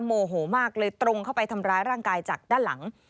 โมโหมากเลยตรงเข้าไปทำร้ายร่างกายจากด้านหลัง